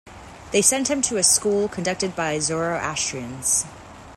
They sent him to a school conducted by Zoroastrians.